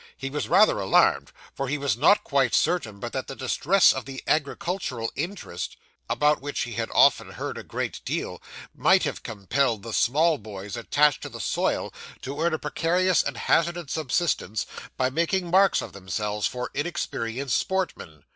He was rather alarmed; for he was not quite certain but that the distress of the agricultural interest, about which he had often heard a great deal, might have compelled the small boys attached to the soil to earn a precarious and hazardous subsistence by making marks of themselves for inexperienced sportsmen.